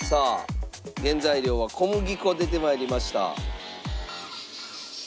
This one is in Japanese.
原材料は小麦粉出てまいりました。